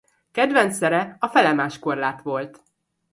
Kedvenc szere a felemás korlát volt.